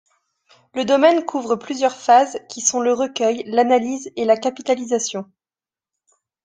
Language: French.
Le domaine couvre plusieurs phases qui sont le recueil, l'analyse et la capitalisation.